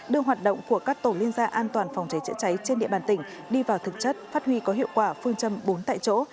đưa hoạt động của các tổ liên gia an toàn phòng cháy chữa cháy trên địa bàn tỉnh đi vào thực chất phát huy có hiệu quả phương châm bốn tại chỗ